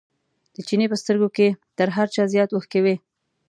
د چیني په سترګو کې تر هر چا زیات اوښکې وې.